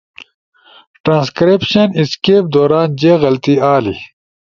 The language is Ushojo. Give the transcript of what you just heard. ٹرانسکرائپش اسکیپ دوران جے غلطی آلی